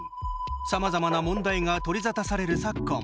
さまざまな問題が取りざたされる昨今。